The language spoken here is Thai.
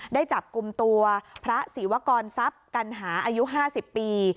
ได้จับกลุ่มตัวพระศิวกรทรัพย์กัณหาอายุ๕๐ปี